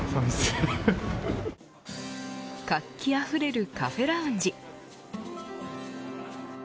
活気あふれるカフェラウンジ。